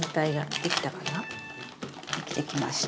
できてきました！